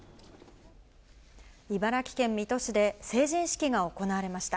茨城県水戸市で成人式が行われました。